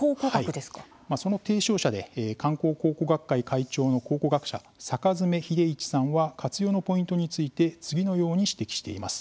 その提唱者で観光考古学会会長の考古学者、坂詰秀一さんは活用のポイントについて次のように指摘しています。